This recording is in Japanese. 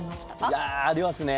いやありますね